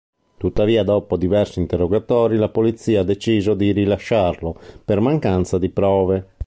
Tuttavia, dopo diversi interrogatori la polizia ha deciso di rilasciarlo, per mancanza di prove.